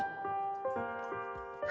「あ！」